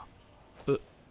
えっ。